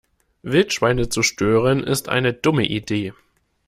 Wildschweine zu stören ist eine dumme Idee.